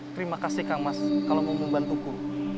terima kasih kang mas kalau mau membantuku